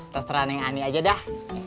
terserah neng ani aja dah